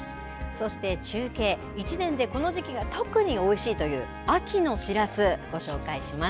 そして中継１年でこの時期が特においしいという秋のしらす、ご紹介します。